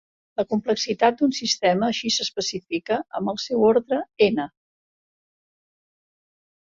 La complexitat d'un sistema així s'especifica amb el seu ordre N.